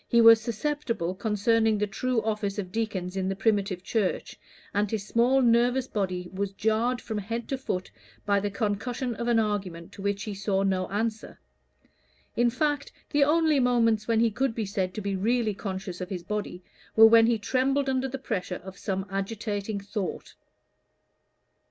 He was susceptible concerning the true office of deacons in the primitive Church, and his small nervous body was jarred from head to foot by the concussion of an argument to which he saw no answer. In fact, the only moments when he could be said to be really conscious of his body, were when he trembled under the pressure of some agitating thought.